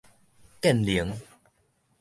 建寧